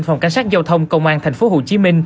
phòng cảnh sát giao thông công an tp hcm